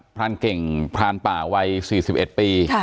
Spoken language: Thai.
พรานเก่งพรานป่าวัย๔๑ปี